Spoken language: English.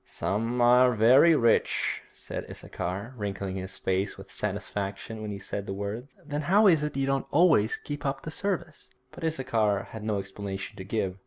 'Some are very rich,' said Issachar, wrinkling his face with satisfaction when he said the words. 'Then how is it you don't always keep up the service?' But Issachar had no explanation to give.